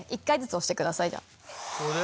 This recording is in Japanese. １回ずつ押してくださいじゃあ。